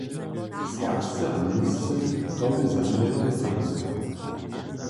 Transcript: Serbsce a němsce – to bě za mnje to samsne.